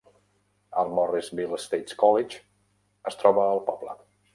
El Morrisville State College es troba al poble.